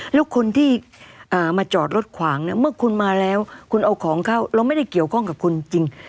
แล้วคนที่มาจอดรถขวางเนี่ยเมื่อคุณมาแล้วคุณเอาของเข้าเราไม่ได้เกี่ยวข้องกับคุณจริง